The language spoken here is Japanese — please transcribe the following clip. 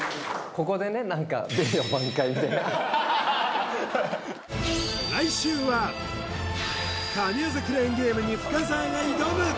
ここでね何か神業クレーンゲームに深澤が挑む！